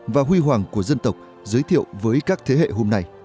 và huy hoàng của dân tộc giới thiệu với các thế hệ hôm nay